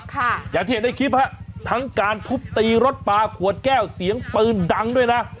อย่างที่เห็นในคลิปฮะทั้งการทุบตีรถปลาขวดแก้วเสียงปืนดังด้วยนะ